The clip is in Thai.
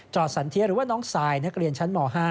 สันเทียหรือว่าน้องซายนักเรียนชั้นม๕